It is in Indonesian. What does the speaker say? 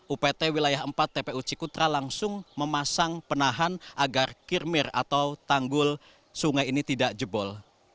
upt wilayah empat tpu cikutra langsung memasang penahan agar kirmir atau tanggul sungai ini tidak jebol